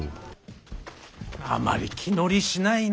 あまり気乗りしないのう。